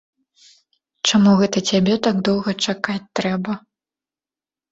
Чаму гэта цябе так доўга чакаць трэба?